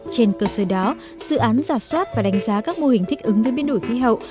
trên cơ sở đó dự án giả soát và đánh giá các mô hình thích ứng với biến đổi khí hậu